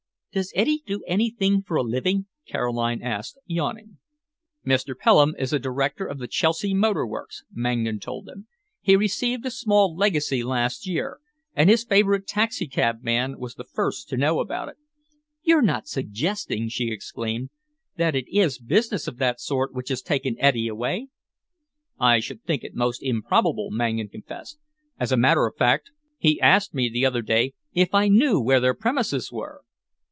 "Does Eddy do anything for a living?" Caroline asked, yawning. "Mr. Pelham is a director of the Chelsea Motor Works," Mangan told them. "He received a small legacy last year, and his favourite taxicab man was the first to know about it." "You're not suggesting," she exclaimed, "that it is business of that sort which has taken Eddy away!" "I should think it most improbable," Mangan confessed. "As a matter of fact, he asked me the other day if I knew where their premises were."